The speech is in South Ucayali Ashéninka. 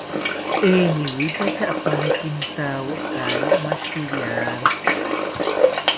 Eniwitacha apani kintawo kaari mashiriantzi